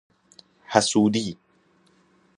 حسودی